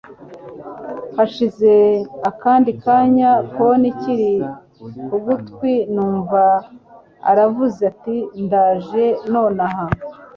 hashize akandi kanya phone ikiri kugutwi numva aravuze ati ndaje nonaha